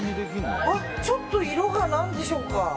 ちょっと色が、何でしょうか。